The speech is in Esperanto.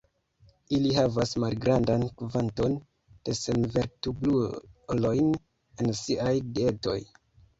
Ili havas malgrandan kvanton de senvertebrulojn en siaj dietoj.